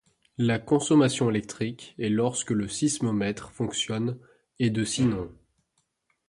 La consommation électrique est lorsque le sismomètre fonctionne et de sinon.